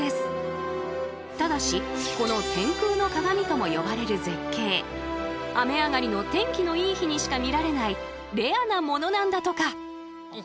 ただしこの「天空の鏡」とも呼ばれる絶景雨上がりの天気のいい日にしか見られないレアなものなんだとか。